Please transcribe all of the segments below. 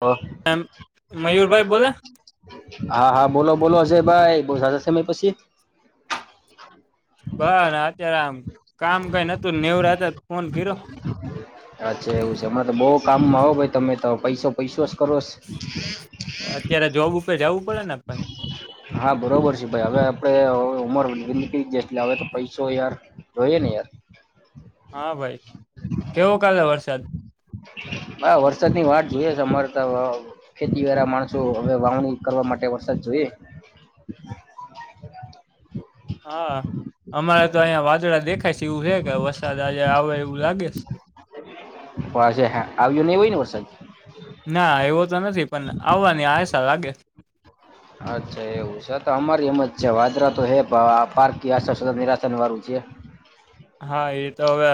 [unintelligible] ઓ એમ મયુરભાઈ બોલો. હા, હા, બોલો, બોલો, અજય ભાઈ, બો સમય પછી. બ, અત્યારે આમ કામ કઈ હતું, નેવરા હતા, ફોન કર્યો. અચ્છા, એવું છે? અરે, તો બઉ કામમાં આવે ભાઈ. તમે તો પૈસો, પૈસો જ કરો. અત્યારે જોબ ઉપર જવું પડે ને, ભાઈ. હા બરોબર છે ભાઈ હવે આપણે ઉમરની ગ એટ હવે તો પૈસો યાર જોઈએ ને, યાર. હા ભાઈ, કેવો કાલે વરસાદ! હા, વરસાદ ની વાત જોઈએ છે અમારે તો ખેતી વાળા માણસો હવે વાવણી કરવા માટે વરસાદ જો હ. [unintelligible] હા અમારે તો અહીંયા વાદળા દેખાય છે. એવું છે કે વરસાદ આજે આવે એવું લાગે છે. [unintelligible] હજે હ આવ્યું નહી હોય ને, વરસાદ. ના, એવ્યો તો નથી, પણ આવવાની આશા લાગે. અચ્છા, એવું છે તો અમારી એમ જ છે. વાદળા તો હે, પારકી આશા સદા નિરાશા વાળું છે. કૂ [unintelligible] હા, એ તો હવે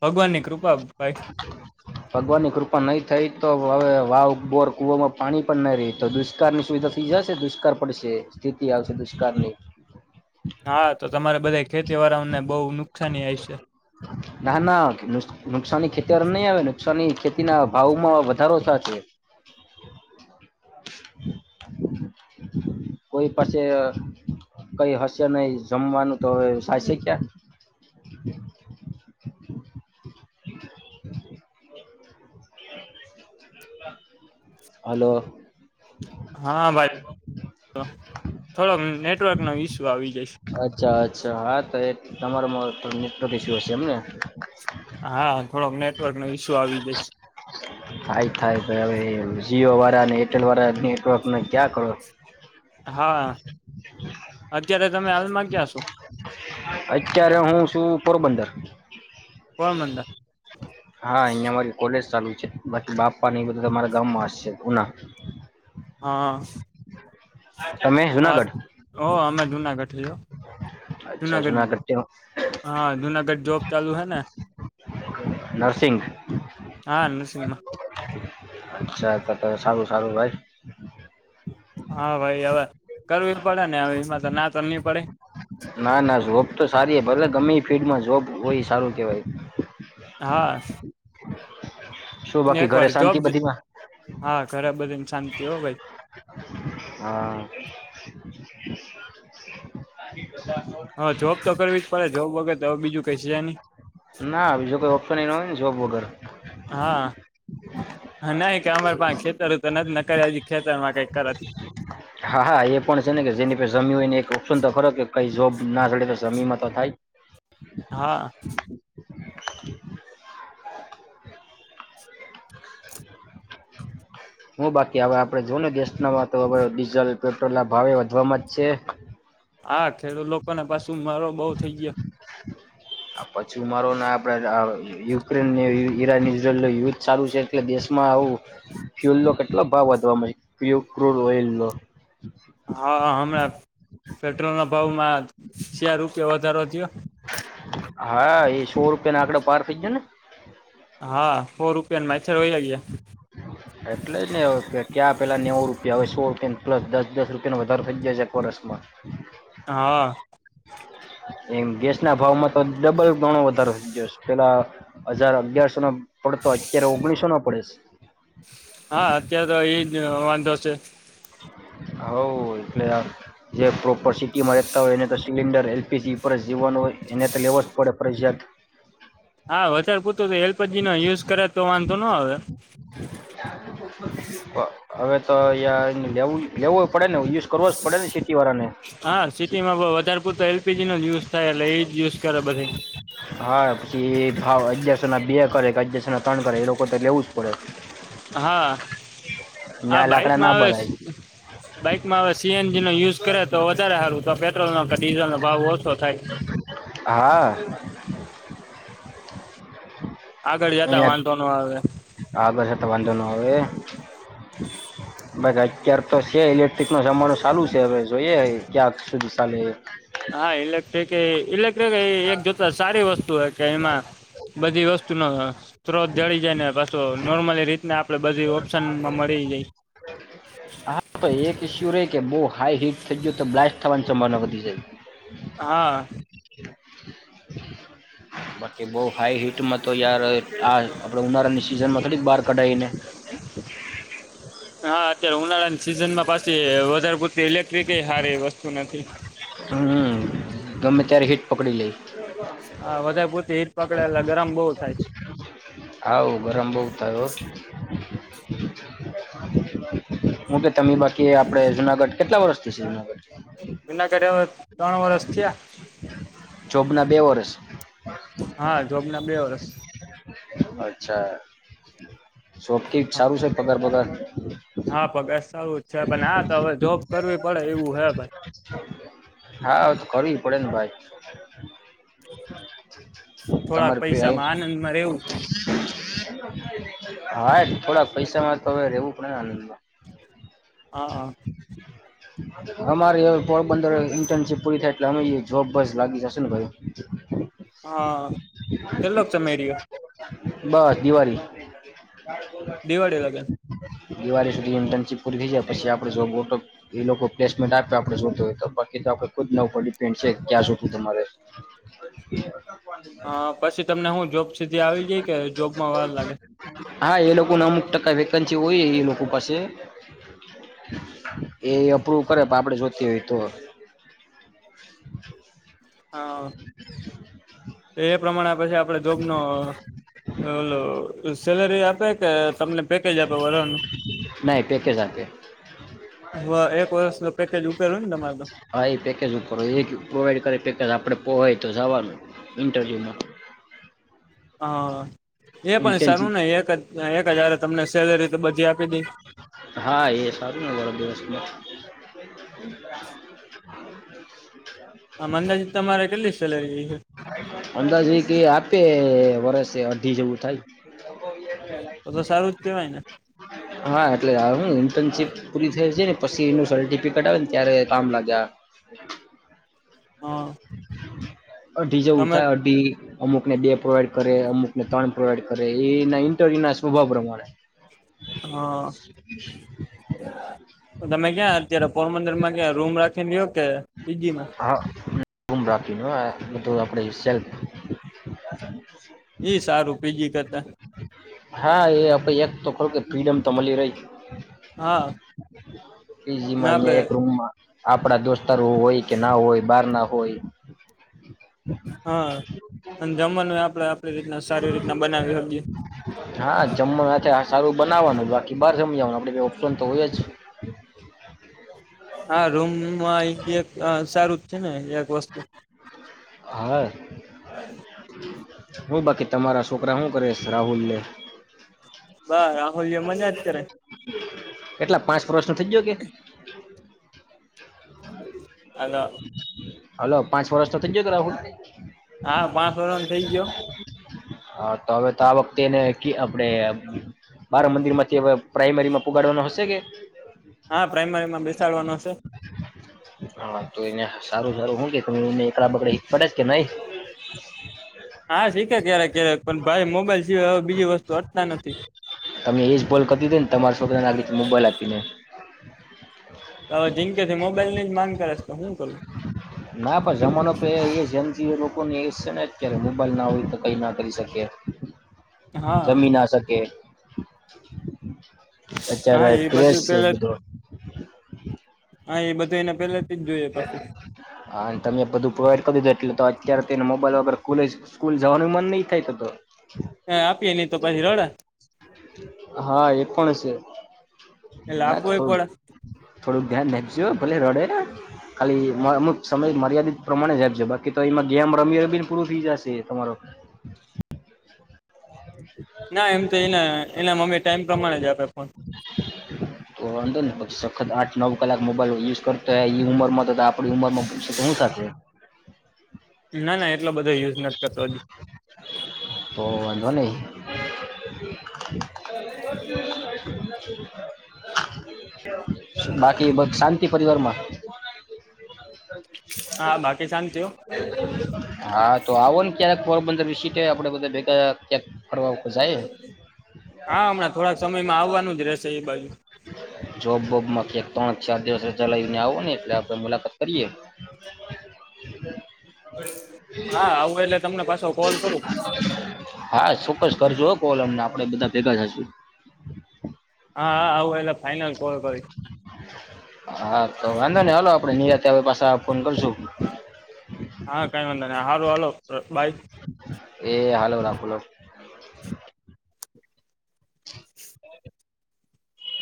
ભગવાન ની કૃપા, ભાઈ. ભગવાનની કૃપા નહીં થઈ. તો હવે વાવ, બોર, કુવામાં પાણી પણ નહીં રહી તો દુષ્કાળ ની સુવિધા થઇ જશે. દુષ્કાળ પડશે, સ્થિતિ આવશે, દુષ્કાળની. હા, તો તમારે બધા ખેતીવાડાઓને બહુ નુકસાની હોય છે. ના, ના, નુકસાની ખેતી નહીં આવે, નુકસાની ખેતીના ભાવ માં વધારો થાય છે. [unintelligible] [unintelligible] કોઈ પાસે કઈ હાસ્ય નહીં, જમવાનું તો હવે સાશે ક્યાં? [unintelligible] હલો. હા, ભાઈ. થોડોક નેટવર્ક નો ઈસ્યુ આવી જઈશ અચ્છા, અચ્છા, હા તો એ તમારો મિત્રધશ હશે એમને. હા થોડોક નેટવર્ક નો ઈસ્યુ આવી જશે. હ જીઓ વાળા અને એરટેલ વાળા નેટવર્કને ક્યાં કરો. હા અત્યારે તમે હાલમાં ગયા છો. અત્યારે હું છું પોરબંદર. પોરબંદર હા અહિયાં મારી કોલેજ ચાલુ છે બાકી બાપ. પાણી બધું તમારા ગામમાં હશે ઉના. હા. તમે હા જુનાગઢ ઓ અમે દુના ગઠઓ. જુનાગઢ હા જુનાગઢ જોબ ચાલુ હૈ ને. નર્સિંગ હા અન સિમા. અચછા ત ત સારું સારું ભાઈ. હા ભાઈ હવે કરવી પડે ને હવે એમાં તો ના તો નહી પડે. ના ના જોબ તો સારી ભલે ગમે ફિલ્ડમાં જોબ હોય સારું કેવાય. હા. શું બાકી એક ઘરે વાર જોબ શાંતિ બધીમાં હા ઘરે બધીને શાંતિ હો ભાઈ. હા [unintelligible] હા જોબ તો કરવી જ પડે જોબ વગર તો હવે બીજું કઈ શ જાય નહી. ના બીજો કોઈ ઓપ્શનનું જો જૉબ વગર. હા. હા ના કે અમારે પા ખેતર તો નથી ન કરે હજ ખેતરમાં કઈક કરત. હા હા એ પણ છે ને કે જેની જમી હોય ને એક ઓપ્શન તો ખરો કે કઈ જોબ ના થડે તો જમી માં તો થાય. હા. [inaudible] [inaudible] હું બાકી હવે આપડે જોઉ ને ગેસ ના તો હ ડીઝલ પેટ્રોલ ના ભાવે વધવામાં જ છે. હા ખેડૂત લોકોને પાછું મારો બહ થઈ ગયો. આ પછી ઉ મારોને આપડે યુક્રેન ને ઈરાન ઈઝરાયલ ન યુદ્ધ સારું છે એટલે દેશમાં. આવ ફ્યુલ નો કેટલો ભાવ વધવાવામાંુ ક્રુડ ઓઈલ નો. હા હણા. પેટ્રોલના ભાવમાં સાર રૂપિયા વધારો થયો. હા એ સો રૂપિયા ના આંકડાે પાર થઇ જાય ને. હા ફો રૂપિયા માચ્છર હો ગયા. એટલે જ ને ક્યાં પેલા નેવું રૂપિયા હવે સો રૂપિયા પલસ દસ દસ રૂપિયાો વધારારે થઈ જશે. ફરેેશમાં. હા. એમ ગેસ ના ભાવમાં તો ડબલ ગણો વધારો. પેલા હજાર અગિયારસો ન પડતો અત્યારે ઓગણીસો નાો પડે છે. હા અત્યારે તો એ જ વાંધો છે. હ એટલે જે પ્રોપર સિટીમાં રહેતા હોય એને તો સિલિન્ડર એલપીજી પર જ જીવન. એને તો લેવો જ પડે ફરજિયાત. હા વધારે પૂતું એલપીજી નો યુઝ કરે તો વાંધો ન આવે. હવે તો અહં લેવું. લેવો પડ ને ુ કરવો જ પડેને સિટીળાને. હા સિટીમાં બ વધારે પૂરતો એલપીજીનોો જ યુઝ થાય એટલે એ જ યુઝ કરે બધ. હા પછી એ ભાવ અગિારસ ના બે કરે કે અગયારસો ના ત્રણ કરે એ લોકો તો લેવું જ પડે. હા હ ત્યાં બાઈક લાકડા માં ના આવે. ભરાય બાઈકમાં હવે સીએનજી નો યુઝ કરે તો વધારે સારું તો પેટ્રોલ ન કે ડીઝલ નો ભાવ ઓછો થાય. હા. આગળ જતા વાંધો ન આવે અ આગ તમા ધનો આવેવે બાગ અત્યારે તો છે ઇલેક્ટ્રિક નો જમાનો ચાલુ છે હવે જોઈએ ક્યાં સુધી ચાલે હા ઇલેક્ટ્રિક એ ઇલેક્ટ્રિક એ એક જોતા સારી વસ્તુ હો કે એમાં બધી વસ્તુનો સ્ત્રોત જળી જાય ને પાછો નોર્મલી રીતને આપડે બધી ઓપ્શનમાં મળી થ ગઈ હા તો એક ઇશુ કે બહુ હાાઈ હિટ થઈ ગયું તો બ્લાસ્ટ થવાની સંભાવના વધી જાય હા બાકી બહ હાઈ હિટ મ તો યાર આ આપણે ઉનાળાની સિઝનમાં થોડીક બહાર કઢાયીને હા અ ઉનાળાની સિઝનમાં પછી વધારે પૂરતી ઇલેક્ટ્રિક સારી એ વસ્તુ નથી હમ ગમે ત્યારે હીટ પકડી લઈ હા વધારે પૂરતી હીટ પકડે એટલે ગરમ બહુ થાય હા હ ગરમ બહ થયો હું કે તમે બાકી આપડે જુનાગઢ કેટલા વર્ષથી છે જુનાગઢ વિના કર્યા ત્રણ વરષ થયા ના બે વર્ષ હા જોબ ના બે વર્ષ અચ્છા [inaudible] સારું હા છે પગાર બગાર હા બગારઓછા પણ હા તો હવે જોબ કરવી પડે એવું હે ભાઈ હા ઓ તો કરવી પડે [inaudible] થોડાક તમારે પે આયુ પૈસામાં આનંદમાં રહેવું [inaudible] હા થોડાક પૈસા માં તો હવે રેવું પડે ને આનંદમાં હા હા અમારે પંદર દિ ઇન્ટર્ન શિપ પૂરી થાય એટલે જોબ પછી લાગી જશે ભાઈ હા કેટલોક સમય રયો બસ દિવાળી દિવાળી લગન દિવાળી શ ઇન્ટનશિપ પૂરી થાય જાય પછી તો આપડે જોબ હોય તો એ લોકો ટેસ્ટ માં ના પાડે તો પછી આપડે ખુદ નો ઇકોડિંગ પેન સે ક્યા શું હા પછી તમને જોબ સીધી આવી ગય કે જોબમાં વાર લાગે હા એ લોકો ના અમુક ટકા વેકન્સી હોય એ લોકો સે [inaudible] એ અપરુવલ કરે આપડે જોઈતી હોય તો હા એ પ્રમાણે પછીઆપડે જોબ અ ઓલો સેલરી આપે કે તમને પેકેજ આપે વરહ નું નહી પેકેજ એક વર્ષનું પેકેજ ઉપેર હોય ને તમારે તો હા એ પેકેજ હવે એ કે પ્રોવાઈડ કરે પેકેજ આપણે પોહાય તો જવાનું હા એ પણ સારું ઇન્ટર્નશીપ ને એક એક જ હારે તમને સેલરી તો આપી જ દે હા એ સારું ને વરો દિવસમાં આમ અંદાજે તમારે કેટલી સેલરી છે અંદાજી કે આપે વર્ષે અઢી જેવું થાય બહુ એ કે લાઇટ તો તો સારું જ કેવાય ને હા એટલે ઇન્ટર્ન શિપ પૂરી થાશે પછી એનું સર્ટિફિકટ આવેને ત્યારે કામ લાગ્યા હા અઢી જેવું તમે થાય અઢી અમુક ને બે પ્રોવાઈડ કરે અમુકને ત્રણ પ્રોવાઈડ કરે હા તમે ક્યાં અત્યારે પોરબંદરમાં કયા રૂમ રાખીને રહ્યો પીજીમા હા રૂમ રાખી ને ઈ સારું પીજી કરતા [unintelligible] હા એ આપ એક તો ખ ફ્રીડમ તો મળી રહી હા ના આપડે [unintelligible] આપણા દોસ્તાર હોય કે ના હોય બાર ના હોય. હા અને જમવાનું આપણે આપણી રીતના સારી રીતના બનાવી હકીએ. જમવાનું છે આ સારું બનાવાનું બાકી બહાર જમી આવાનું. ઓપન તો હોય જ હા રૂમમાં એક સારું જ છે ને એક વસ્તુ હા હું બાકી તમારા છોકરા શું કરીશ રાહુલને બા રાહુલ જે મજા જ કરે કેટલા પાંચ વર્ષ ન થઇ ગયો કે અન હલો પાંચ વર્ષ તો થઈ ગયા રાહુલ ને હા પાંચ વરનો થઇ ગયો. હા તો હવે તો આ વખતે એને આપણેે મારા મંદિર માંથી હવે પ્રાાઈમરી માં પગાડવાનો હશે કે. હા પ્રાઈમરી માં બેસાડવાનો છે. હા તો એને સારું સારું શું કે એકડા બગડા પડે જ કે નહી. હા શીખે ક્યારેક ક્યારેક પણ ભાઈ મોબાઈલ સિવાય હવે બીજી વસ્તુ હટતા નથી. તમે એ જ બોલ કરતી હતી ને તમારા સોકરાને આરીતે મોબાઈલ આપીને હવે જિંદગીથી મોબાઈલ ની જ માંગ કરે છે તો હું કરું. ના પણ જમાનો પ એ જમજી લોકો ને અત્યારે મોબાઈલ ના હોય તો કઈ ના કરી શકીએ. હા જમી ના શકે. હા અત્યારે એ બધું ક્રેશ પેલે બધો હા એ બધું એને પેલેથી જ જોઈએ પછી હા અને તમે બધું પ્રોવાઈડ કરી દધો એટલે તો અત્યારે તેને મોબાઈલ વગર ખલે સ્કૂલ જવાનું મન નહી થાય તો તો હ આપીએ નહી તો પછી રડે. હા એ પણ છે એટલે ના થ આપવુંય પડે થોડું ધ્યાન નાપજો ભલે રડે ખાલી અમુક સમય મર્યાદિત પ્રમાણે જ આપજો બાકી તો એમાં ગેમ રમી રમીને પૂરું થઈ જશે તમારો [inaudible] ના એમ તો એના એના મમ્મી ટાઈમ પ્રમાણે જ આપે ફોન તો વાંધો ને પછી આઠ નવ કલાક મોબાઈલ યુઝ કરતો હોય ઉમરમાં તો આપણી ઉંમર માં શું સાથે ના ના એટલો બધો યુઝ નથી કરતો હજી. તો વાંધો નહી [inaudible] બાકી બ શાંતિ પરિવારમાં હા બાકી શાંતિ હો હા તો આવો ને ક્યારે. પોરબંદર વિશે આપડે બધા ભેગા ફરવા જાય હા હમણાં થોડાક સમયમાં આવવાનું જ રહેશે એ બાજુ. જોબોબમાંથી ત્રણક ચાર દિવસ ચલાવી ને આવો ને એટલે આપે મુલાકાત કરીએ. [inaudible] હા આવું એટલે તમને પાછો કોલ કરું હા ચોક્કસ કરજો કોલ આપડે બધા ભેગા થશું. હા હા આવું એટલે ફાઈનલ કોલ કરીશ. હા તો વાંધો ને હલો આપડે નિરાતે પાસે ફોન કરશું. હા કઈ વાંધા નહી સારું હાલો બાય. એ હાલો રાખલો. [inaudible]